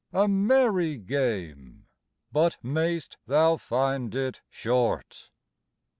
A merry game, but mayst thou find it short!